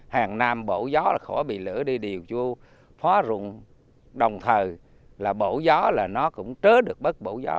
hàng nam bổ gió là khó bị lửa đi điều chua phó rụng đồng thờ là bổ gió là nó cũng trớ được bất bổ gió